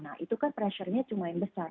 nah itu kan pressure nya cuma yang besar